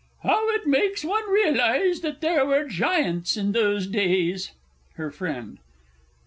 How it makes one realize that there were giants in those days! HER FRIEND.